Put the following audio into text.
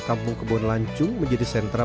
kampung kebon lancung menjadi sentra